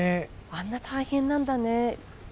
あんな大変なんだね。